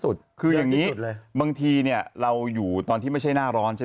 คืออย่างนี้บางทีเนี่ยเราอยู่ตอนที่ไม่ใช่หน้าร้อนใช่ไหม